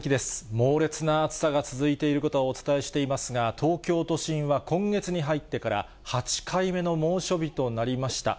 猛烈な暑さが続いていることはお伝えしていますが、東京都心は今月に入ってから、８回目の猛暑日となりました。